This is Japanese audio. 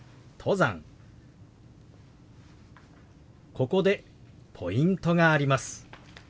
ここでポイントがあります。